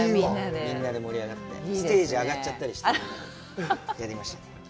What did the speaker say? みんなで盛り上がって、ステージ上がっちゃったりしてやりました。